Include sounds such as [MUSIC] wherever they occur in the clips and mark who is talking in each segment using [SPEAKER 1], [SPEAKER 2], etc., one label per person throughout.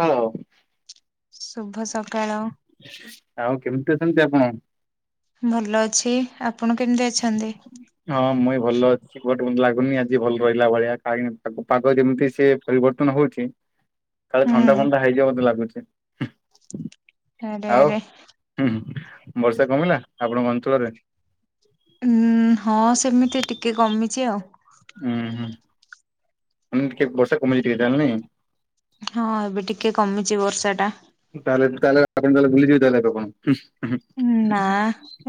[SPEAKER 1] Hello.
[SPEAKER 2] ଶୁଭ ସକାଳ।
[SPEAKER 1] ଆଉ କେମିତି ଅଛନ୍ତି ଆପଣ?
[SPEAKER 2] ଭଲ ଅଛି। ଆପଣ କେମିତି ଅଛନ୍ତି?
[SPEAKER 1] ହଁ ମୁଁ ବି ଭଲ ଅଛି। [UNINTELLIGIBLE] ଲାଗୁନି ଆଜି ଭଲ ରହିଲା ଭଳିଆ କାହିଁକିନା ପାଗ ଯେମିତି ସେ ପରିବର୍ତ୍ତନ ହଉଚି କାଳେ ଥଣ୍ଡା
[SPEAKER 2] ହୁଁ
[SPEAKER 1] ଫଣ୍ଡା ହେଇଯିବ ମତେ ଲାଗୁଚି।
[SPEAKER 2] ଆରେ ଆରେ
[SPEAKER 1] ହୁଁ ହୁଁ ବର୍ଷା କମିଲା ଆପଣଙ୍କ ଅଞ୍ଚଳରେ?
[SPEAKER 2] ଉଁ ହଁ ସେମିତି ଟିକେ କମିଚି ଆଉ।
[SPEAKER 1] ଉୁଁ ହୁଁ ମାନେ ଟିକେ ବର୍ଷା କମିଚି ଟିକେ ତାହଲେ ନାଇଁ?
[SPEAKER 2] ହଁ ଏବେ ଟିକେ କମିଚି ବର୍ଷା ଟା।
[SPEAKER 1] ତାହେଲେ ତାହେଲେ ଆପଣ ତାହେଲେ ବୁଲିଯିବେ ତାହାଲେ ଆଜି ଆପଣ?
[SPEAKER 2] ନା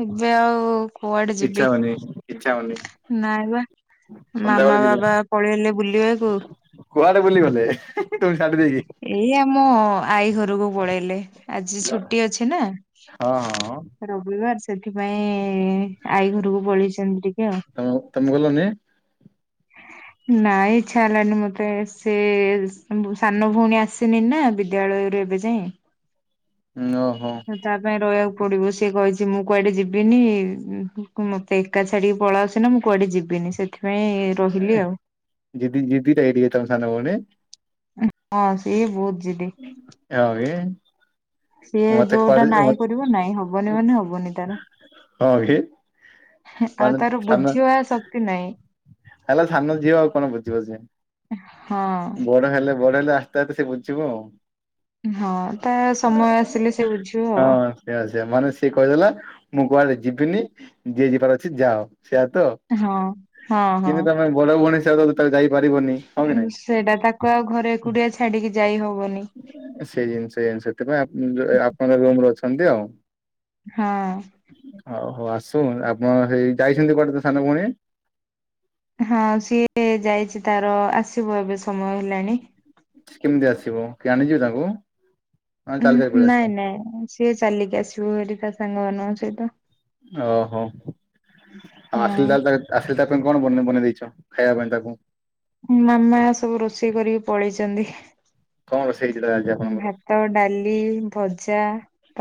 [SPEAKER 2] ଏବେ ଆଉ କୁଆଡେ
[SPEAKER 1] ଇଚ୍ଛା
[SPEAKER 2] ଯିବି।
[SPEAKER 1] ହଉନି ଇଚ୍ଛା ହଉନି
[SPEAKER 2] ନାଇ ବା
[SPEAKER 1] ସନ୍ଧ୍ୟାବେଳେ
[SPEAKER 2] ମାମା
[SPEAKER 1] ଯିବେ
[SPEAKER 2] ବାବା ପଳେଇଲେ ବୁଲିବାକୁ
[SPEAKER 1] କୁଆଡେ ବୁଲି ଗଲେ ତମକୁ ଛାଡ଼ି ଦେଇକି?
[SPEAKER 2] ଏଇ ଆମ ଆଈ ଘରକୁ ପଳେଇଲେ। ଆଜି ଛୁଟି ଅଛି ନା।
[SPEAKER 1] ହଁ ହଁ
[SPEAKER 2] ରବିବାର୍ ସେଥିପାଇଁ ଆଈ ଘରକୁ ପଳେଇଚନ୍ତି ଟିକେ ଆଉ।
[SPEAKER 1] ଆଉ ତମେ ଗଲନି?
[SPEAKER 2] ନାଇଁ ଇଚ୍ଛା ହେଲାନି ମତେ ସେ ସାନ ଭଉଣୀ ଆସିନି ନା ବି ବିଦ୍ୟାଳୟରୁ ଏବେ ଯାଏଁ।
[SPEAKER 1] ଉଁ ଓହୋ।
[SPEAKER 2] ତା ପାଇଁ ରହିବାକୁ ପଡିବ ସେ କହିଚି ମୁଁ କୁଆଡେ ଯିବିନି ମତେ ଏକା ଛାଡ଼ିକି ପଳାଅସିନା ମୁଁ କୁଆଡେ ଯିବିନି ସେଥିପାଇଁ ରହିଲି ଆଉ।
[SPEAKER 1] ଯିଦି ଯିଦିଟା କି ଟିକେ ତମ ସାନ ଭଉଣୀ?
[SPEAKER 2] ହଁ ସିଏ ବହୁତ ଯିଦି।
[SPEAKER 1] ହଁ କି
[SPEAKER 2] ସିଏ
[SPEAKER 1] ମତେ
[SPEAKER 2] ଯୋଉଟା
[SPEAKER 1] କୁଆଡେ ମତେ
[SPEAKER 2] ନାଇଁ କରିବ ନାଇଁ ହବନି ମାନେ ହବନି ତାର।
[SPEAKER 1] ହଁ କି ମାନେ
[SPEAKER 2] ଆଉ ତାର
[SPEAKER 1] ସାନ
[SPEAKER 2] ବୁଝିିବା ଶକ୍ତି ନାହିଁ।
[SPEAKER 1] ହେଲା ସାନ ଝିଅ ଆଉ କଣ ବୁଝିବ ସେ
[SPEAKER 2] ହଁ।
[SPEAKER 1] ବଡ ହେଲେ ବଡ ହେଲେ ଆସ୍ତେ ଆସ୍ତେ ସେ ବୁଝିବ ଆଉ।
[SPEAKER 2] ହଁ ତା ସମୟ ଆସିଲେ ସେ ବୁଝିବ।
[SPEAKER 1] ସେଇଆ ସେଇଆ ମାନେ ସିଏ କହିଦେଲା ମୁଁ କୁଆଡେ ଯିବିନି ଯିଏ ଯିବାର ଅଛି ଯାଅ ସେଇଆ ତ।
[SPEAKER 2] ହଁ ହଁ ହଁ।
[SPEAKER 1] ବଡ଼ ଭଉଣୀ ହିସାବ ରେ ତ ଯାଇପାରିବନି। ହଁ କି ନାଇଁ?
[SPEAKER 2] ସେଇଟା ତାକୁ ଆଉ ଘରେ ଏକୁଟିଆ ଛାଡିକି ଯାଇ ହବନି।
[SPEAKER 1] ସେଇ ଜିନିଷ [UNINTELLIGIBLE] ସେଥିପାଇଁ ଆପଣଙ୍କ ରୁମରେ ଅଛନ୍ତି ଆଉ।
[SPEAKER 2] ହଁ।
[SPEAKER 1] ହଉ ହଉ ଆସୁ ଆପଣ ସେଇ ଯାଇଛନ୍ତି କୁଆଡେ ତ ସାନ ଭଉଣୀ!
[SPEAKER 2] ହଁ ସିଏ ଯାଇଚି ତାର ଆସିବ ଏବେ ସମୟ ହେଲାଣି।
[SPEAKER 1] କେମିତି ଆସିବ କିଏ ଆଣିଯିବେ ତାଙ୍କୁ? ନା ଚାଲି ଚାଲି
[SPEAKER 2] ଉଁ
[SPEAKER 1] ପଳେଇ
[SPEAKER 2] ନାଇଁ
[SPEAKER 1] ଆସିବ?
[SPEAKER 2] ନାଇଁ ସିଏ ଚାଲିକି ଆସିବ ହାରି ତା ସାଙ୍ଗମାନଙ୍କ ସହିତ।
[SPEAKER 1] ଓହୋ ଆଉ ଆସିଲ ତାହେଲେ
[SPEAKER 2] ହଁ
[SPEAKER 1] ତା ଆସି ସେ ତା ପାଇଁ ବନେଇ ବନେଇ ଦେଇଛ ଖାଇବା ପାଇଁ ତାକୁ?
[SPEAKER 2] ମାମା ସବୁ ରୋଷେଇ କରିକି ପଳେଇଛନ୍ତି,
[SPEAKER 1] କଣ ରୋଷେଇ ହେଇଥିଲା ଆଜି
[SPEAKER 2] ଭା
[SPEAKER 1] ଆପଣଙ୍କର?
[SPEAKER 2] ଭାତ, ଡାଲି, ଭଜା,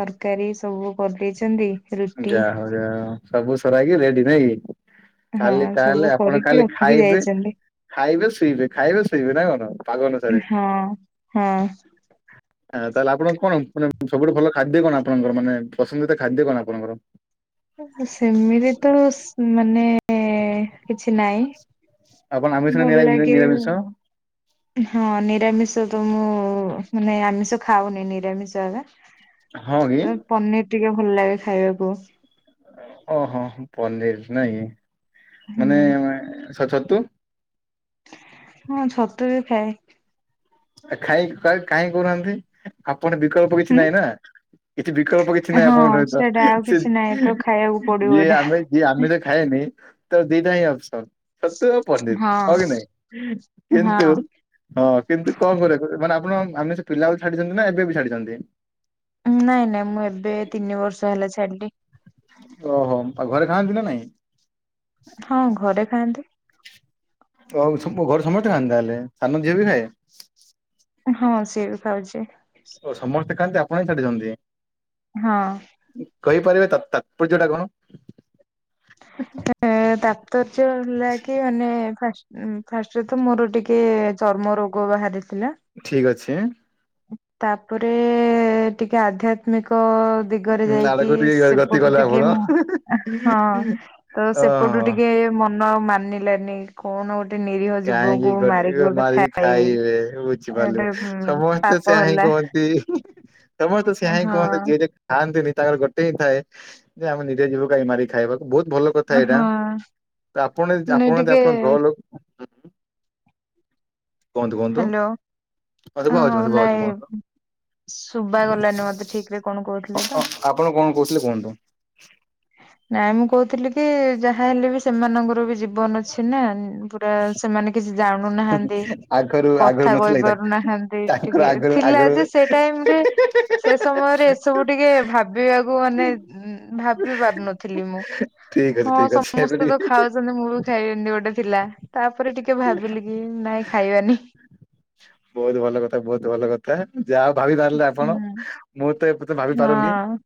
[SPEAKER 2] ତରକାରୀ ସବୁ କରିଦେଇଛନ୍ତି। ରୁଟି
[SPEAKER 1] ଯାହା ହଉ ଯାଉ ସବୁ ସରାହେଇକି ରେଡି ନାଇଁ କି। ଖାଲି
[SPEAKER 2] ହଁ ସବୁ
[SPEAKER 1] ତାହେଲେ ଆପଣ
[SPEAKER 2] କରିକି
[SPEAKER 1] ଖାଲି
[SPEAKER 2] ରଖିକି
[SPEAKER 1] ଖାଇବେ
[SPEAKER 2] ଯାଇଛନ୍ତି।
[SPEAKER 1] ଖାଇବେ ଶୋଇବେ ଖାଇବେ ଶୋଇବେ ନାଇ କଣ ପାଗ ଅନୁସାରେ।
[SPEAKER 2] ହଁ ହଁ
[SPEAKER 1] ଆ ତାହେଲେ ଆପଣ କଣ ମାନେ ସବଠୁ ଭଲ ଖାଦ୍ୟ କଣ ଆପଣଙ୍କର ମାନେ ପସନ୍ଦିତ ଖାଦ୍ୟ କଣ? କଣ କର
[SPEAKER 2] ସେମିତି ତ ମାନେ କିଛି ନାଇଁ
[SPEAKER 1] ଆପଣ ଆମିଷ ନା
[SPEAKER 2] ଭଲ
[SPEAKER 1] ନିରା
[SPEAKER 2] ଲାଗେ
[SPEAKER 1] ନିରାମିଷ
[SPEAKER 2] ହଁ ନିରାମିଷ ତ ମୁଁ ମାନେ ଆମିଷ ଖାଉନି ନିରାମିଷ ଏବେ।
[SPEAKER 1] ହଁ କି।
[SPEAKER 2] ପନିର ଟିକେ ଭଲ ଲାଗେ ଖାଇବାକୁ।
[SPEAKER 1] ଓହୋ ପନିର ନାଇଁ କି, ମାନେ
[SPEAKER 2] ହୁଁ।
[SPEAKER 1] ଛ ଛତୁ?
[SPEAKER 2] ହଁ ଛତୁ ବି ଖାଏ।
[SPEAKER 1] ଖାଇ କାଇଁ କହୁ ନାହାଁନ୍ତି, ଆପଣଙ୍କର ବିକଳ୍ପ କିଛି
[SPEAKER 2] ହୁଁ
[SPEAKER 1] ନାଇଁ ନା। କିଛି ବିକଳ୍ପ କିଛି ନାହିଁ
[SPEAKER 2] ହଁ
[SPEAKER 1] ଆପଣଙ୍କ ସହିତ
[SPEAKER 2] ସେଇଟା ଆଉ
[SPEAKER 1] ସେ
[SPEAKER 2] କିଛି ନାହିଁ ତ ଖାଇବାକୁ ପଡିବ
[SPEAKER 1] ଯିଏ
[SPEAKER 2] ଏଇଟା।
[SPEAKER 1] ଆମେ ଯିଏ ଆମିଷ ଖାଏନି ତ ଦିଟା ହିଁ ଅଫସର। ଛତୁ ଆଉ ପନିର ହଁ କି ନାଇଁ,
[SPEAKER 2] ହଁ
[SPEAKER 1] କିନ୍ତୁ ହଁ କିନ୍ତୁ କଣ କରିବା ମାନେ ଆପଣ ଆମିଷ ପିଲା ବେଳୁ ଛାଡିଛନ୍ତି ନା ଏବେ ଏବେ ଛାଡିଛନ୍ତି?
[SPEAKER 2] ନାଇଁ ନାଇଁ ମୁଁ ଏବେ ତିନି ବର୍ଷ ହେଲା ଛାଡିଲି।
[SPEAKER 1] ଓହୋ ଆଉ ଘରେ ଖାଆନ୍ତି ନା ନାଇଁ?
[SPEAKER 2] ହଁ ଘରେ ଖାଆନ୍ତି।
[SPEAKER 1] ଆଉ ଘରେ ସମସ୍ତେ ଖାଆନ୍ତି ତା ହେଲେ ସାନ ଝିଅ ବି ଖାଏ?
[SPEAKER 2] ହଁ ସିଏବି ଖାଉଛି।
[SPEAKER 1] ଓ ସମସ୍ତେ ଖାଆନ୍ତି ଆପଣ ହିଁ ଛାଡିଛନ୍ତି।
[SPEAKER 2] ହଁ।
[SPEAKER 1] କହିପାରିବେ ତ ତାତ୍ପର୍ଯ୍ୟ ଟା କଣ?
[SPEAKER 2] ଏ ତାପର୍ଯ୍ୟ ହେଲା କି ମାନେ ଫାଷ୍ଟ ଉ ଫାଷ୍ଟରେ ତ ମୋର ଟିକେ ଚର୍ମ ରୋଗ ବାହାରିଥିଲା।
[SPEAKER 1] ଠିକ ଅଛି।
[SPEAKER 2] ତାପରେ ଟିକେ ଆଧ୍ୟାତ୍ମିକ ଦିଗରେ
[SPEAKER 1] ହୁଁ,
[SPEAKER 2] ଯାଇକି
[SPEAKER 1] ଆଡକୁ ଟିକେ ଗତି
[SPEAKER 2] ସେପଟୁ
[SPEAKER 1] କଲେ
[SPEAKER 2] ଟିକେ
[SPEAKER 1] ଆପଣ
[SPEAKER 2] ମୁଁ ହଁ ତ ସେପଟୁ
[SPEAKER 1] ଓହୋ।
[SPEAKER 2] ଟିକେ ମ ନ ଆଉ ମାନିଲୋନି କଣ ଗୋଟେ ନିରୀହ
[SPEAKER 1] କାହିଁକି
[SPEAKER 2] ଜୀବକୁ
[SPEAKER 1] ଗୋଟେ ମାରିକି
[SPEAKER 2] ଖାଇବି
[SPEAKER 1] ଖାଇବେ ବୁଝିପାରିଲୁ,
[SPEAKER 2] ଗୋଟେ
[SPEAKER 1] ସମ ତେ ସେଆ
[SPEAKER 2] ପାପ
[SPEAKER 1] ହିଁ
[SPEAKER 2] ହେଲା
[SPEAKER 1] କୁହନ୍ତି, ସମସ୍ତେ ସେଇଆ ହିଁ
[SPEAKER 2] ହଁ
[SPEAKER 1] କୁହନ୍ତି ଯେ ଯିଏ ଖାଆନ୍ତିନି ତାଙ୍କର ଗୋଟେ ହିଁ ଥାଏ ଯେ, ଆମେ ନିଜେ ଜୀବ କାଇଁ ମାରି ଖାଇବାକୁ, ବହୁତ ଭଲ କଥା ଏଇଟା,
[SPEAKER 2] ହଁ
[SPEAKER 1] ତ ଆପଣ ଯ
[SPEAKER 2] ନାଇଁ
[SPEAKER 1] ଆପଣ ଯଦି
[SPEAKER 2] ଟିକେ
[SPEAKER 1] ଆପଣଙ୍କ ଘ ଲୋକ କୁହନ୍ତୁ କୁହନ୍ତୁ
[SPEAKER 2] ହ୍ୟାଲୋ,
[SPEAKER 1] ହଁ
[SPEAKER 2] ଅ
[SPEAKER 1] ଶୁଭା ହଉଛି
[SPEAKER 2] ହଉ
[SPEAKER 1] ଶୁଭା ହଉଛି
[SPEAKER 2] ନାଇଁ
[SPEAKER 1] କୁହନ୍ତୁ।
[SPEAKER 2] ଶୁବା ଗଲାନି ମତେ ଠିକ ରେ କଣ କହୁଥିଲେ?
[SPEAKER 1] ଅ
[SPEAKER 2] ତ
[SPEAKER 1] ଅ ଆପଣ କଣ କହୁଥିଲେ କୁହନ୍ତୁ?
[SPEAKER 2] ନାଇଁ ମୁଁ କହୁଥିଲି କି ଯାହା ହେଲେ ବି ସେମାନଙ୍କର ବି ଜୀବନ ଅଛି ନା ପୁରା ସେମାନେ କିଛି ଜାଣୁନାହାନ୍ତି।
[SPEAKER 1] ଆଗରୁ ଆଗରୁ
[SPEAKER 2] କଥା କହି
[SPEAKER 1] ନଥିଲା କି ତାଙ୍କ
[SPEAKER 2] ପାରୁନାହାନ୍ତି
[SPEAKER 1] ତାଙ୍କର
[SPEAKER 2] ଟିକେ
[SPEAKER 1] ଆଗରୁ
[SPEAKER 2] ଥିଲା
[SPEAKER 1] ଆଗରୁ
[SPEAKER 2] ଯେ ସେ ଟାଇମ ରେ ସେ ସମୟରେ ଏସବୁ ଟିକେ ଭାବିବାକୁ ମାନେ, ଭା ବି ପାରୁ ନଥିଲି ମୁଁ,
[SPEAKER 1] ଠିକ ଅଛି
[SPEAKER 2] ହଁ
[SPEAKER 1] ଠିକ ଅଛି ଏବେ
[SPEAKER 2] ସମସ୍ତେ ତ
[SPEAKER 1] ଟିକେ
[SPEAKER 2] ଖାଉ ଆ ମୁଁ ବି ଖାଇବିନି ଏମତି ଗୋଟେ ଥିଲା ତାପରେ ଟିକେ ଭାବିଲି କି ନାଇଁ ଖାଇବାନି।
[SPEAKER 1] ବହୁତ ଭଲ କଥା, ବ ହୁତ ଭଲ କଥା। ଯାହା ଭାବି ପାରିଲେ ଆପଣ
[SPEAKER 2] ହୁଁ
[SPEAKER 1] ମୁଁ ତ ଏ ପର୍ଯ୍ୟନ୍ତ ଭାବି ପାରୁନି।
[SPEAKER 2] ହଁ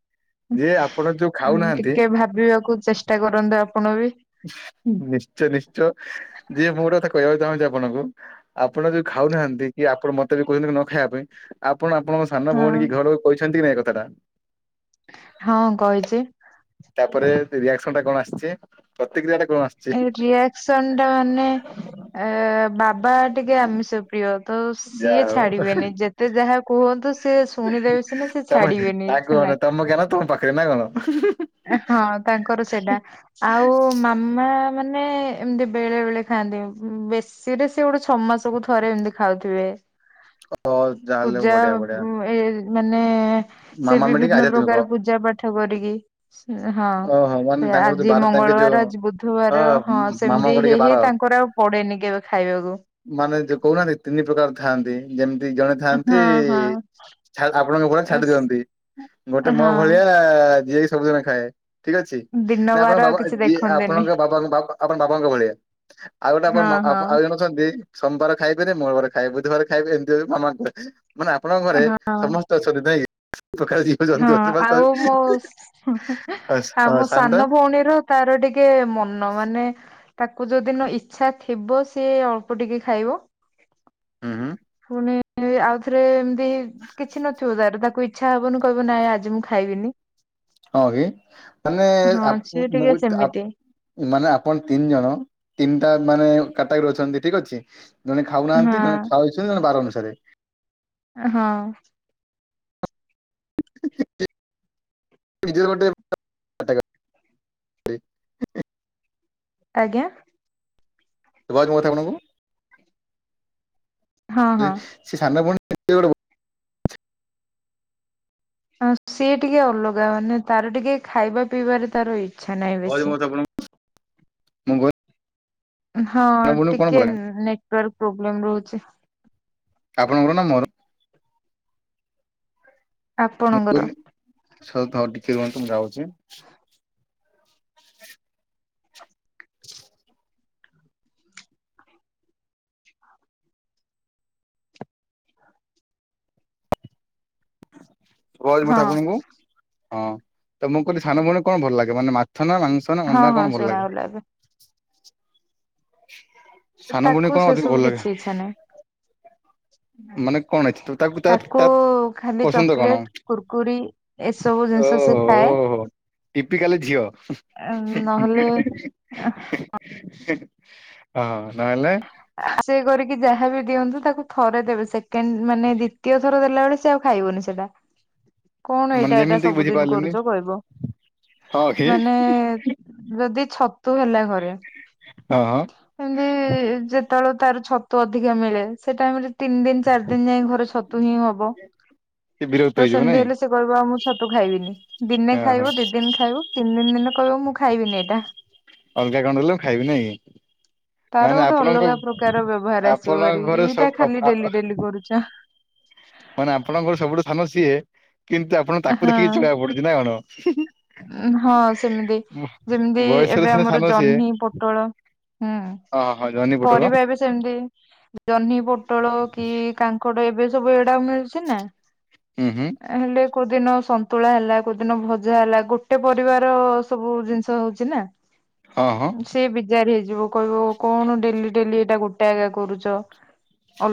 [SPEAKER 1] ଯେ ଆପଣ ଯୋଉ ଖାଉନାହାନ୍ତି
[SPEAKER 2] ଟିକେ ଭାବିବାକୁ ଚେଷ୍ଟା କରନ୍ତୁ ଆପଣ ବି।
[SPEAKER 1] ନିଶ୍ଚୟ ନିଶ୍ଚୟ, ଯିଏ ମୁ ଗୋଟେ କଥା କହିବାକୁ ଚାହୁଁଛି ଆପଣଙ୍କୁ। ଆପଣ ଯଦି ଖାଉନାହାନ୍ତି କି ଆପଣ ମତେ ବି କହୁଛନ୍ତି ନ ଖାଇବା ପାଇଁ ଆପଣ ଆପଣଙ୍କ ସାନ
[SPEAKER 2] ହଁ
[SPEAKER 1] ଭଉଣୀ କି ଘରକୁ କହିଛନ୍ତି କି ନାଇ ଏ କଥାଟା।
[SPEAKER 2] ହଁ କହିଛି।
[SPEAKER 1] ତାପରେ ରିଆକ୍ସନ ଟା କଣ ଆସିଛି ପ୍ରତିକ୍ରିୟା ଟା କଣ ଆସି?
[SPEAKER 2] ଏ ରିଆକ୍ସନ ଟା ମାନେ ଏ ବାବା ଟିକେ ଆମିଷ ପ୍ରିୟ। ତ ସିଏ ଛାଡିବେନି ଯେତେ ଯାହା କୁହନ୍ତୁ ସେ ଶୁଣିଦେବେ ସିନା
[SPEAKER 1] [UNINTELLIGIBLE]
[SPEAKER 2] ସେ ଛାଡିବେନି
[SPEAKER 1] ତାଙ୍କ
[SPEAKER 2] ହେଲା
[SPEAKER 1] ମାନକୁ ତମ ଜ୍ଞାନ ତମ ପାଖରେ ନା କଣ।
[SPEAKER 2] ହଁ ତାଙ୍କର ସେଟା। ଆଉ ମାମା ମାନେ ଏମିତି ବେଳେ ବେଳେ ଖାଆନ୍ତି ବେଶୀ ସିରେ ସିଏ ଗୋଟେ ଛଅ ମାସକୁ ଥରେ ଏମିତି ଖାଉଥିବେ।
[SPEAKER 1] ତ ଯାହାହେଲେ
[SPEAKER 2] ପୂଜା
[SPEAKER 1] ବଢିଆ ବଢିଆ
[SPEAKER 2] ଏ ମାନେ ସେ
[SPEAKER 1] ମାମାମି ଟିକେ
[SPEAKER 2] ବିଭିନ୍ନ
[SPEAKER 1] ଆଧ୍ୟାତ୍ମିକ।
[SPEAKER 2] ପ୍ରକାର ପୂଜା ପାଠ କରିକି ହଁ।
[SPEAKER 1] ଓହୋ ମାନେ ତାଙ୍କର ଯୋଉ
[SPEAKER 2] ଆଜି
[SPEAKER 1] ବାର ତାଙ୍କେ ଯୋଉ
[SPEAKER 2] ମଙ୍ଗଳବାର ଆଜି
[SPEAKER 1] ଅ
[SPEAKER 2] ବୁଧବାର ହଁ
[SPEAKER 1] ମାମାଙ୍କ
[SPEAKER 2] ସେମିତି
[SPEAKER 1] ଟିକେ
[SPEAKER 2] ହେଇ
[SPEAKER 1] ବାର।
[SPEAKER 2] ହେ ତାଙ୍କର ଆଉ ପଡେନି କେବେ ଖାଇବାକୁ।
[SPEAKER 1] ମାନେ ଯଉ କହୁନାହାନ୍ତି ତିନି ପ୍ରକାର ଥାନ୍ତି, ଯେମିତି ଜଣେ ଥାଆନ୍ତି
[SPEAKER 2] ହଁ
[SPEAKER 1] ଛା ଆପଣଙ୍କ ଭଳିଆ ଛାଡି
[SPEAKER 2] ହଁ
[SPEAKER 1] ଦିଅନ୍ତି। ଗୋଟେ ମୋ
[SPEAKER 2] ହଁ
[SPEAKER 1] ଭଳିଆ ଯିଏକି ସବୁଦିନ ଖାଏ। ଠିକ ଅଛି
[SPEAKER 2] ଦିନ
[SPEAKER 1] ନା
[SPEAKER 2] ବାର
[SPEAKER 1] ଆପଣଙ୍କ
[SPEAKER 2] ଆଉ
[SPEAKER 1] ବାବା
[SPEAKER 2] କିଛି
[SPEAKER 1] ଯି
[SPEAKER 2] ଦେଖନ୍ତିନି
[SPEAKER 1] ଆପଣଙ୍କ ବାବା ଆପଣଙ୍କ ବାବାଙ୍କ ଭଳିଆ। ଆଉ ଗୋଟେ
[SPEAKER 2] ହଁ
[SPEAKER 1] ଆପଣ
[SPEAKER 2] ହଁ
[SPEAKER 1] ଆଉ ଜଣେ ଅଛନ୍ତି ସୋମବାର ଖାଇବେନି ମଙ୍ଗଳବାର ଖାଇବେ ବୁଧବାର ଖାଇବେ ଏମିତି ହେଇକି ମାନେ ଆପଣଙ୍କ ଘରେ
[SPEAKER 2] ହଁ
[SPEAKER 1] ସମସ୍ତେ ଅଛନ୍ତି ନାଇକି [UNINTELLIGIBLE]
[SPEAKER 2] ହଁ ଆଉ ମୋ [UNINTELLIGIBLE] ଆଉ
[SPEAKER 1] ହଁ
[SPEAKER 2] ମୋ
[SPEAKER 1] ଶାନ୍ତା
[SPEAKER 2] ସାନ ଭଉଣୀର ତାର ଟିକେ ମନ ମାନେ ତାକୁ ଯୋଉ ଦିନ ଇଚ୍ଛା ଥିବ ସିଏ ଅଳ୍ପ ଟିକେ ଖାଇବ।
[SPEAKER 1] ହୁଁ ହୁଁ
[SPEAKER 2] ପୁଣି ଆଉଥରେ ଏମତି କିଛି ନଥିବ ତାର ତାକୁ ଇଚ୍ଛା ହବନି କହିବ ନାଇଁ ଆଜି ମୁଁ ଖାଇବିନି।
[SPEAKER 1] ହଁ କି ମାନେ
[SPEAKER 2] ହଁ
[SPEAKER 1] ଆ
[SPEAKER 2] ସିଏ ଟିକେ
[SPEAKER 1] [UNINTELLIGIBLE]
[SPEAKER 2] ସେମିତି
[SPEAKER 1] ମାନେ ଆପଣ ତିନି ଜଣ ତିନିଟା ମାନେ କ୍ୟାଟେଗୋରୀ ଅଛନ୍ତି ଠିକ ଅଛି। ଜଣେ
[SPEAKER 2] ହଁ
[SPEAKER 1] ଖାଉନାହାନ୍ତି ଜଣେ ଖାଉଛି ଜଣେ ବାର ଅନୁସାରେ।
[SPEAKER 2] ହଁ।
[SPEAKER 1] [UNINTELLIGIBLE] ନିଜେ ଗୋଟେ
[SPEAKER 2] ଆଜ୍ଞା।
[SPEAKER 1] [UNINTELLIGIBLE]
[SPEAKER 2] ହଁ ହଁ
[SPEAKER 1] ସେ ସାନ ଭଉଣୀ [UNINTELLIGIBLE] ଗୋଟେ
[SPEAKER 2] ହଁ ସିଏ ଟିକେ ଅଲଗା ମାନେ ତାର ଟିକେ ଖାଇବା ପିଇବାରେ ତାର ଇ
[SPEAKER 1] ବହୁତ ମହତ୍ୱପୂର୍ଣ୍ଣ [UNINTELLIGIBLE]
[SPEAKER 2] ହଁ ଟିକେ
[SPEAKER 1] ଭଲ ଲାଗେ
[SPEAKER 2] ନେଟୱାର୍କ ପ୍ରୋବ୍ଲେମ ରହୁଛି।
[SPEAKER 1] ଆପଣଙ୍କର ନା ମୋର। ମୁଁ
[SPEAKER 2] ଆପଣଙ୍କର।
[SPEAKER 1] କହିଲି ଥାଉ ଥାଉ ଟିକେ ରୁହନ୍ତୁ ମୁଁ ଯାଉଛି। [INAUDIBLE] କହିଲି ମୁଁ
[SPEAKER 2] ହଁ
[SPEAKER 1] ତ ଆପଣଙ୍କୁ। ହଁ ତ ମୁଁ କଇଲି ସାନ ଭଉଣୀ କଣ ଭଲ ଲାଗେ ମାନେ ମାଛ ନା ମାଂସ ନା
[SPEAKER 2] ହଁ
[SPEAKER 1] ଅଣ୍ଡା
[SPEAKER 2] ହଁ
[SPEAKER 1] କଣ ଭଲ ଲାଗେ?
[SPEAKER 2] ଶୁଣାଗଲା ଏବେ।
[SPEAKER 1] ସାନ
[SPEAKER 2] ତାକୁ
[SPEAKER 1] ଭଉଣୀକୁ
[SPEAKER 2] ସେ
[SPEAKER 1] କଣ ଅଧିକ
[SPEAKER 2] ସବୁ
[SPEAKER 1] ଭଲ ଲାଗେ?
[SPEAKER 2] କିଛି ଇଚ୍ଛା ନାହିଁ
[SPEAKER 1] ମାନେ କଣ ଅଛି ଟୁ ତାକୁ ତା ତା
[SPEAKER 2] ଖାଲି
[SPEAKER 1] ପସନ୍ଦ କଣ
[SPEAKER 2] ଚକୋଲେଟ କୁୁରକୁରି ଏସବୁ ଜିନିଷ ସେ ଖାଏ
[SPEAKER 1] ଓହୋଃ ତା ଟିପିକାଲ ଝିଅ। ହୁଁ
[SPEAKER 2] ନହେଲେ
[SPEAKER 1] ହଁ ନ ହେଲେ।
[SPEAKER 2] ସେ କରିକି ଯାହା ବି ଦିଅନ୍ତୁ ତାକୁ ଥରେ ଦେବେ ସେକେଣ୍ଡ ମାନେ ଦି ଦ୍ୱିତୀୟ ଥର ଦେଲାବେଳେ ସେ ଆଉ ଖାଇବନି ସେଟା। କଣ
[SPEAKER 1] ମାନେ
[SPEAKER 2] ଏଇଟା ଏଇଟା
[SPEAKER 1] ଯେମିତି ବୁଝି
[SPEAKER 2] ସବୁଦିନ
[SPEAKER 1] ପାରିଲିନି
[SPEAKER 2] କରୁଚକହିବ
[SPEAKER 1] ହଁ କି
[SPEAKER 2] ମାନେ ଯଦି ଛତୁ ହେଲା ଘରେ
[SPEAKER 1] ହଁ ହଁ।
[SPEAKER 2] ଏମିତି ଯେତେବେଳେ ତାର ଛତୁ ଅଧିକା ମିଳେ ସେ ଟାଇମରେ ତିନି ଦିନ ଚାରି ଦିନ ଯାଏ ଘରେ ଛତୁ ହିଁ ହବ।
[SPEAKER 1] ସେ ବିରକ୍ତ
[SPEAKER 2] ତ
[SPEAKER 1] ହେଇଯିବ
[SPEAKER 2] ସେମିତି
[SPEAKER 1] ନାଇଁ
[SPEAKER 2] ହେଲେ ସେ କହିବ ଆଉ ମୁଁ ଛତୁ ଖାଇବିନି ଦିନେ
[SPEAKER 1] ଓହୋ
[SPEAKER 2] ଖାଇବ ଦି ଦିନ ଖାଇବ ତିନି ଦିନ କହିବ ମୁଁ ଖାଇବିନି ଏଇଟା।
[SPEAKER 1] ଅଲଗା କଥଁ ହେଲେ ମୁଁ ଖାଇବି ନାଇଁ କି।
[SPEAKER 2] ତାର
[SPEAKER 1] ମାନେ
[SPEAKER 2] ଗୋଟେ
[SPEAKER 1] ଆପଣଙ୍କ
[SPEAKER 2] ଅଲଗା ପ୍ରକାର ବ୍ୟବହାର ଆସିବ ହାରି
[SPEAKER 1] ଆପଣଙ୍କ ଘରେ
[SPEAKER 2] ଏଇଟା
[SPEAKER 1] ସବୁ
[SPEAKER 2] ଖାଲି ଡେଲି ଡେଲି କରୁଚ।
[SPEAKER 1] ମାନେ ଆପଣଙ୍କ ଘରେ ସବୁଠୁ ସାନ ସିଏ କିନ୍ତୁ ଆପଣ ତାକୁ
[SPEAKER 2] ହଁ
[SPEAKER 1] ଦେଖିକି ଚଳିଆକୁ ପଡୁଛି ନା କଣ।
[SPEAKER 2] ହଁ ସେମିତି ଯେମିତି
[SPEAKER 1] ବୟସରେ
[SPEAKER 2] ଏବେ
[SPEAKER 1] ସିନା ସାନ
[SPEAKER 2] ଆମର
[SPEAKER 1] ସିଏ
[SPEAKER 2] ଜହ୍ନି ପୋଟଳ ହୁଁ।
[SPEAKER 1] ହଁ ହଁ ଜହ୍ନି ପୋଟଳ।
[SPEAKER 2] ପରିବା ଏବେ ସେମିତି ଜହ୍ନି, ପୋଟଳ କି କାଙ୍କଡ ଏବେ ସବୁ ଏଇଡା ମିଳୁଛି ନା।
[SPEAKER 1] ହୁଁ ହୁଁ।
[SPEAKER 2] ହେଲେ କୋଉଦିନ ସନ୍ତୁଳା ହେଲା କୋଉଦିନ ଭଜା ହେଲା ଗୋଟେ ପରିବାର ସବୁ ଜିନିଷ ହଉଛି ନା।
[SPEAKER 1] ହଁ ହଁ।
[SPEAKER 2] ସେ ବିଜାର ହେଇଯିବ କହିବ କଣ ଡେଲି ଡେଲି ଏଇଟା ଗୋଟେଏକା କରୁଚ।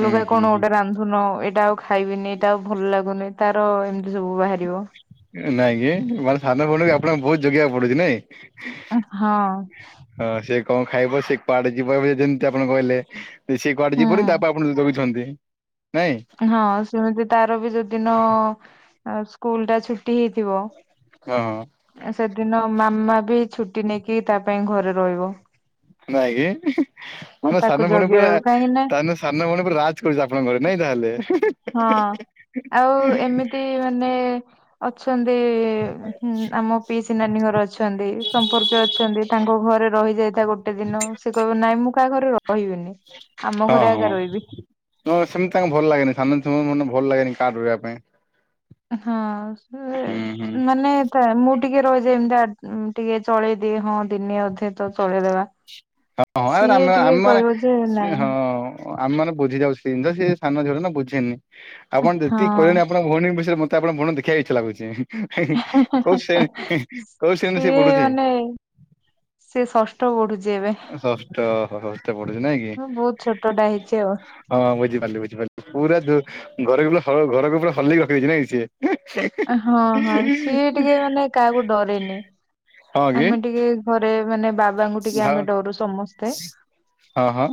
[SPEAKER 1] ହୁଁ ହୁଁ
[SPEAKER 2] କଣ ଗୋଟେ ରାନ୍ଧୁନ ଏଇଟା ଆଉ ଖାଇବିନି ଏଇଟା ଆଉ ଭଲ ଲାଗୁନି। ତାର ଏମିତି ସବୁ ବାହାରିବ।
[SPEAKER 1] ନାଇଁ କି ମାନେ ସାନ ଭଉଣୀ କୁ ଆପଣଙ୍କୁ ବହୁତ ଯୋଗେଇବାକୁ ପଡୁଛି ନାଇଁ?
[SPEAKER 2] ହଁ।
[SPEAKER 1] ହଁ ସେ କଣ ଖାଇବ ସେ କୁଆଡେ ଯିବ ଯେମିତି ଆପଣ କହିଲେ ସେ କୁଆଡେ
[SPEAKER 2] ହୁଁ
[SPEAKER 1] ଯିବନି ତା ପାଇଁ ଆପଣ ଯୋଗୁଛନ୍ତି ନାଇଁ?
[SPEAKER 2] ହଁ ସେମିତି ତାର ବି ଯୋଉଦିନ ସ୍କୁଲ ଟା ଛୁଟି ହେଇଥିବ
[SPEAKER 1] ହଁ।
[SPEAKER 2] ସେଦିନ ମାମା ବି ଛୁଟି ନେଇକି ତା ପାଇଁ ଘରେ ରହିବ।
[SPEAKER 1] ନାଇଁ କି? ତମ
[SPEAKER 2] ତାକୁ
[SPEAKER 1] ସାନ ଭଉଣୀ ପୁରା
[SPEAKER 2] ଜଗିବାକୁ କାହିଁକି ନା
[SPEAKER 1] ତା ସାନ ଭଉଣୀ ପୁରା ରାଜ୍ କରୁଚି ଆପଣଙ୍କ ଘରେ ନାଇଁ ତାହେଲେ।
[SPEAKER 2] ହଁ। ଆଉ ଏମିତି ମାନେ ଅଛନ୍ତି ଆମ ପିଇସିି ନାନୀ ଘର ଅଛନ୍ତି ସମ୍ପର୍କୀୟ ଅ ଛନ୍ତି ତାଙ୍କ ଘରେ ରହି ଯାଇଥା ଗୋଟେ ଦିନ ସେ କହିବ ନାଇଁ ମୁଁ କାହା ଘରେ ରହିବିନି। ଆମ
[SPEAKER 1] ହଁ
[SPEAKER 2] ଘରେ ଏକା
[SPEAKER 1] ହଁ
[SPEAKER 2] ରହିବି
[SPEAKER 1] ସେମିତି ତାଙ୍କୁ ଭଲ ଲାଗେନା ସାନ ମନେ ଭଲ ଲାଗେନି କାଟେ ରୋହିବା ପାଇଁ।
[SPEAKER 2] ହଁ
[SPEAKER 1] ହୁଁ ହୁଁ।
[SPEAKER 2] ସେ ମାନେ ଥା ମୁଁ ଟିକେ ରହିଯାଏ ତା ଏମିତି ଆର୍ଜ ଟିକେ ଚଳେଇଦିଏ ହଁ ଦିନି ଅଧେତ ଚଳେଇଦବା
[SPEAKER 1] ହଁ ହଁ ରେ
[SPEAKER 2] ସିଏ
[SPEAKER 1] ଆ
[SPEAKER 2] ଟିକେ
[SPEAKER 1] ଆମର
[SPEAKER 2] କହିବ ଯେ ନାଇଁ
[SPEAKER 1] ହଁ। ଆମେ ମାନେ ବୁଝି ଯାଉନା ସେ ସାନ ଝିଅଟାନା ବୁଝିନି ଆପଣ
[SPEAKER 2] ହଁ।
[SPEAKER 1] ଯେତିକି କହିଲେଣି ଆପ ଆପଣଙ୍କ ଭଉଣୀ ବିଷୟରେ ମତେ ଆପଣକ ଭଉଣୀକୁ ଦେଖିବାକୁ ଇଚ୍ଛା ଲାଗୁଛି। ହେ ହେ କୋଉ ଶେ କୋଉ ଶେ କୋଉ ଶ୍ରେଣୀରେ ସେ ପଡ଼ୁଚି?
[SPEAKER 2] ସେ ଷଷ୍ଠ ପଢୁଚି ଏବେ।
[SPEAKER 1] ଷଷ୍ଟ ଷଷ୍ଠ ପଡ଼ୁଚି ନାଇଁକି।
[SPEAKER 2] ମୁଁ ବହୁତ ଛୋଟଟା ହେଇଛି ଆଉ।
[SPEAKER 1] ହଁ ବୁଝିପାରିଲି ବୁଝିପାରିଲି ପୁରା ଦୋ ଘରକୁ ସବୁ ଘରକୁ ପୁରା ହଲେଇକି ରଖିଚି ନାଇଁକି ସିଏ।
[SPEAKER 2] ଅଁ ହଁ ହଁ ସିଏ ଟିକେ ମାନେ କାହାକୁ ଡରେନି।
[SPEAKER 1] ହଁ କି
[SPEAKER 2] ଆମେ ଟିକେ ଘରେ ମାନେ ବାବାଙ୍କୁ ଟିକେ
[SPEAKER 1] ଭା
[SPEAKER 2] ଆମେ ଡରୁ ସମସ୍ତେ
[SPEAKER 1] ହଁ ହଁ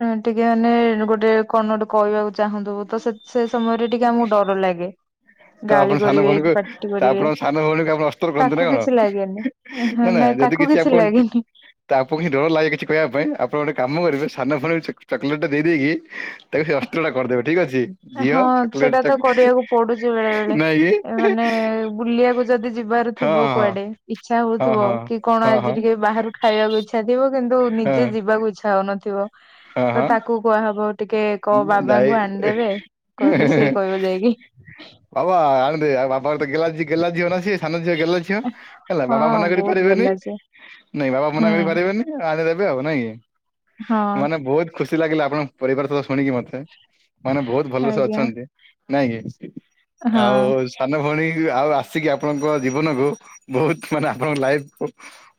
[SPEAKER 2] ଅ ଟିକେ ମାନେ ଗୋଟେ କଣ ଗୋଟେ କହିବାକୁ ଚାହୁଁଥିବୁ ତ ସେ ସେସମୟରେ ଟିକେ ଆମକୁ ଡର ଲାଗେ। ଗାଳି
[SPEAKER 1] ତଆପଣ ସାନ
[SPEAKER 2] କରିବେ କି
[SPEAKER 1] ଭଉଣୀଙ୍କୁ
[SPEAKER 2] ପାଟି କରିବେ
[SPEAKER 1] ତଆପଣ ସାନ ଭଉଣୀଙ୍କୁ ଆପଣ ଅସ୍ତ୍ର କରନ୍ତି
[SPEAKER 2] ତାକୁ କିଛି ଲାଗେନି। ହଁ
[SPEAKER 1] ନାକଣ। ନା ନା
[SPEAKER 2] ନାଇଁ
[SPEAKER 1] ଯଦି
[SPEAKER 2] ତାକୁ
[SPEAKER 1] କିଛି ଆପଣ
[SPEAKER 2] ଲାଗେନି
[SPEAKER 1] ତାପଣହି ଡର ଲାଗେ କିଛି କହିବା ପାଇଁ ଆପଣ ଗୋଟେ କାମ କରିବେ ସାନ ଭଉଣୀଙ୍କୁ ଚକୋଲେଟେ ଦେଇଦେଇକି ତାକୁ ସେ ଅସ୍ତ୍ରଟା କରିଦେବେ ଠିକ୍ ଅଛି ଝିଅ ଚକଲେଟ୍
[SPEAKER 2] ଯେ ବେଳେବେଳେ ଏ ମାନେ ବୁଲିବାକୁ ଯଦି ଯିବାର
[SPEAKER 1] ହଁ
[SPEAKER 2] ଥିବ
[SPEAKER 1] ହଁ
[SPEAKER 2] କୁଆଡ଼େ ଇଚ୍ଛା
[SPEAKER 1] ହଁ
[SPEAKER 2] ହଉଥିବ
[SPEAKER 1] ହଁ।
[SPEAKER 2] କି କଣ
[SPEAKER 1] ହଁ
[SPEAKER 2] ଆଜି
[SPEAKER 1] ହଁ
[SPEAKER 2] ଟିକେ ବାହାରୁ ଖାଇବାକୁ ଇଚ୍ଛା ଥିବ କିନ୍ତୁ
[SPEAKER 1] ହଁ
[SPEAKER 2] ନିଜେ ଯିବାକୁ ଇଚ୍ଛା ହଉନଥିବ
[SPEAKER 1] ହଁ ହଁ
[SPEAKER 2] ତତାକୁ କୁହାହବ ଟିକେ କୋ
[SPEAKER 1] ଯାଇ
[SPEAKER 2] ବାବାଙ୍କୁ ଆଣିଦେବେ କହିଲେ ସିଏ କହିବ ଯାଇକି।
[SPEAKER 1] ବାବା ଆଣିଦେ ଆଉ ବାପାଙ୍କ ତଗେହ୍ଲା ଝିଅନା ସିଏ ସାନ ଝିଅ ଗେହ୍ଲା ଝିଅ ହେଲା ବାବା
[SPEAKER 2] ହଁ
[SPEAKER 1] ମନା କରି
[SPEAKER 2] ବହୁତ
[SPEAKER 1] ପାରିବେନି
[SPEAKER 2] ଗେହ୍ଲା ସିଏ
[SPEAKER 1] ନାଇଁ ବାବା ମନା କରି
[SPEAKER 2] ହୁଁ
[SPEAKER 1] ପାରିବେନି। ଆଣିଦେବେ ଆଉ ନାଇଁ
[SPEAKER 2] ହଁ
[SPEAKER 1] ମାନେ ବହୁତ୍ ଖୁସି ଲାଗିଲା ଆପଣଙ୍କ ପରିବାର ସହିତ ଶୁଣିକି ମତେ। ମାନେ ବହୁତ୍ ଭଲସେ
[SPEAKER 2] ଆଜ୍ଞା
[SPEAKER 1] ଅଛନ୍ତି ନାଇଁକି
[SPEAKER 2] ହଁ।
[SPEAKER 1] ଆଉ ସାନ ଭଉଣୀ ଆଉ ଆସିକି ଆପଣଙ୍କ ଜୀବନକୁ ବହୁତ୍ ମାନେ ଆପଣଙ୍କ ଲାଇଫ୍କୁ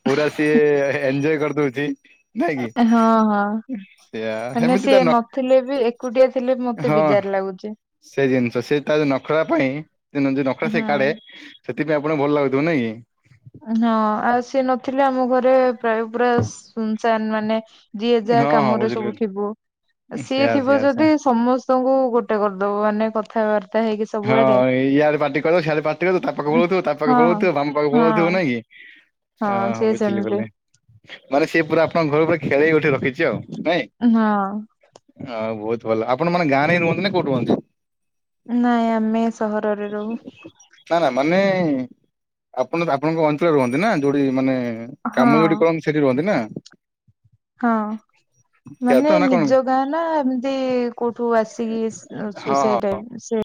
[SPEAKER 1] ପୁରା ସିଏ ଏନଞ୍ଜୟ କରି ଦଉଚି। ନାଇଁକି
[SPEAKER 2] ହଁ
[SPEAKER 1] ସେୟା ହେମିତିତ ନ
[SPEAKER 2] ଥିଲେବି ଏକୁଟିଆ ଥିଲେବି ମତେ ବିଜାର ଲାଗୁଚି।
[SPEAKER 1] ସେଜିନିଷ ସେତା ନଖରା ପାଇଁ ଯୋଉ ନଖରା
[SPEAKER 2] ହଁ
[SPEAKER 1] ସେ କାଢେ ସେଥିପାଇଁ ଆପଣଙ୍କୁ ଭଲ ଲାଗୁଥିବ ନାଇଁକି?
[SPEAKER 2] ହଁ ଆଉ ସିଏ ନଥିଲେ ଆମ ଘରେ ପ୍ରାୟ ପୁରା ସୁନସାନ୍ ମାନେ ଯିଏ
[SPEAKER 1] କି ହଁ
[SPEAKER 2] ଯାହା
[SPEAKER 1] ହଁ
[SPEAKER 2] କାମରେ
[SPEAKER 1] ବୁଝିଲି
[SPEAKER 2] ସବୁ
[SPEAKER 1] ବୁଝିଲି।
[SPEAKER 2] ଥିବ ଆସିଏ
[SPEAKER 1] ସେୟା
[SPEAKER 2] ଥିବ
[SPEAKER 1] ସେୟା ସେୟା।
[SPEAKER 2] ଯଦି ସମସ୍ତ ଙ୍କୁ ଗୋଟେ କରିଦବ ମାନେ କ କଥା ବାର୍ତ୍ତା ହେଇକି ସ
[SPEAKER 1] ହଁ ଇଆଡ଼େ ପାଟି କଲେ ସଆଡ଼େ ପାଟି କଲେ ତା ପାଖକୁ ପଳଉଥିବ ତା
[SPEAKER 2] ହଁ
[SPEAKER 1] ପାଖକୁ ପଳଉଥିବ ମା
[SPEAKER 2] ହଁ
[SPEAKER 1] ପଳଉଥିବ ନାଇଁକି
[SPEAKER 2] ହଁ
[SPEAKER 1] ଆଁ
[SPEAKER 2] ସିଏ
[SPEAKER 1] ବୁଝିଲି
[SPEAKER 2] ସେମିତି
[SPEAKER 1] ବଲେ। ମାନେ ସେପୁରା ଆପଣଙ୍କ ଘରକୁ ଖେଳେଇ ଉଠେଇ ରଖିଚି ଆଉ ନାଇଁ।
[SPEAKER 2] ହଁ।
[SPEAKER 1] ହଁ ବହୁତ୍ ଭଲ ଆପଣମାନେ ଗାଁରେ ରୁହନ୍ତିନା କଉଠି ରୁହନ୍ତି?
[SPEAKER 2] ନାଇଁ ଆମେ ସହରରେ ରହୁ।
[SPEAKER 1] ନା ନା ମାନେ ଆପଣ ଆପଣଙ୍କ ଅଞ୍ଚଳରେ ରୁହନ୍ତିନା ଯୋଉଠି ମାନେ
[SPEAKER 2] ହଁ
[SPEAKER 1] କାମ ଯୋଉଠି କରନ୍ତି ସେଠି ରୁହନ୍ତିନା?
[SPEAKER 2] ହଁ। ମାନେ
[SPEAKER 1] ନା କଣ
[SPEAKER 2] ନିଜ ଗାଁନା ଏମତି କୋଉଠୁ ଆସିକି ସେ
[SPEAKER 1] ହଁ
[SPEAKER 2] ଅଛୁ
[SPEAKER 1] ହଁ
[SPEAKER 2] ଟାଇପର ସେ